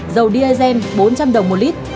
dầu diazen bốn trăm linh đồng một lít